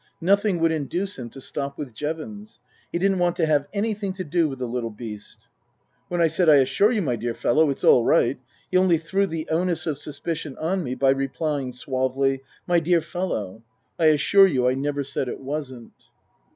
Nothing would induce him to stop with Jevons. He didn't want to have anything to do with the little beast. When I said, " I assure you, my dear fellow, it's all right," he only threw the onus of suspicion on me by replying suavely, " My dear fellow, I assure you I never said it wasn't."